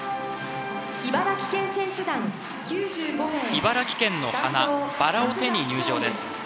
茨城県の花、バラを手に入場です。